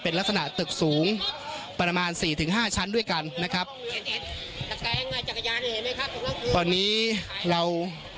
เป็นลักษณะตึกสูงประมาณสี่ถึงห้าชั้นด้วยกันนะครับตอนนี้เรา